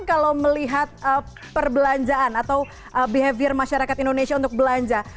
kalau melihat perbelanjaan atau behavior masyarakat indonesia untuk belanja